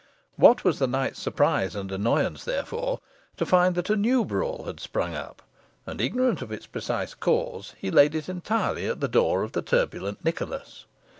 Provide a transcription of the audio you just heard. What was the knight's surprise and annoyance, therefore, to find that a new brawl had sprung up, and, ignorant of its precise cause, he laid it entirely at the door of the turbulent Nicholas.